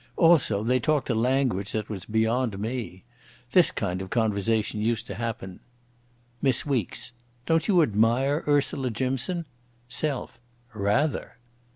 Also they talked a language that was beyond me. This kind of conversation used to happen.—MISS WEEKES: "Don't you admire Ursula Jimson?" SELF: "Rather!"